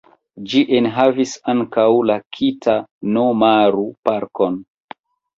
Ĝi enhavis ankaŭ la Kita-no-maru-parkon.